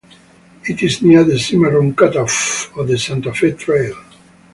It is near the Cimarron Cutoff of the Santa Fe Trail.